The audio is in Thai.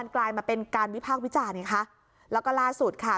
กลายมาเป็นการวิพากษ์วิจารณ์ไงคะแล้วก็ล่าสุดค่ะ